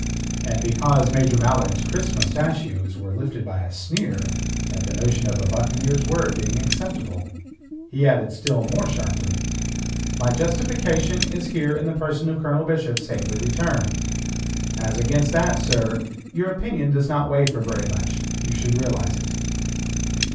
And because Major Mallard's crisp mostachios were lifted by a sneer at the notion of a buccaneer's word being acceptable, he added still more sharply: "My justification is here in the person of Colonel Bishop safely returned. As against that, sir, your opinion does not weigh for very much. You should realize it."